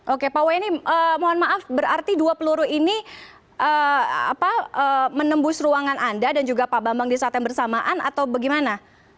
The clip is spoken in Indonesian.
oke pak weni mohon maaf berarti dua peluru ini menembus ruangan anda dan juga pak bambang di saat yang bersamaan atau bagaimana